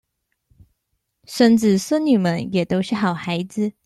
孫子孫女們也都是好孩子